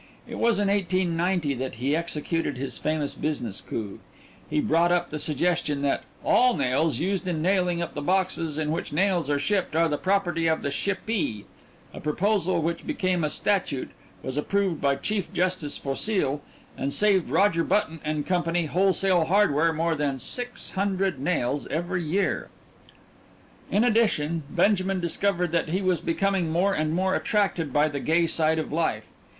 It was in 1890 that he executed his famous business coup: he brought up the suggestion that all nails used in nailing up the boxes in which nails are shipped are the property of the shippee, a proposal which became a statute, was approved by Chief Justice Fossile, and saved Roger Button and Company, Wholesale Hardware, more than six hundred nails every year. In addition, Benjamin discovered that he was becoming more and more attracted by the gay side of life.